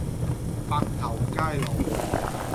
白頭偕老